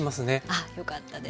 あっよかったです。